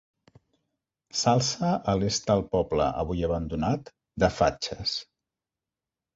S'alça a l'est del poble, avui abandonat, de Fatxes.